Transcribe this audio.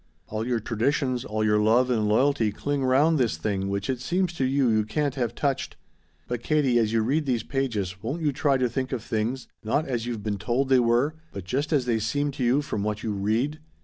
All your traditions, all your love and loyalty cling round this thing which it seems to you you can't have touched. But Katie, as you read these pages won't you try to think of things, not as you've been told they were, but just as they seem to you from what you read?